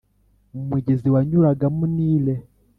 umugezi wanyuragamo nile.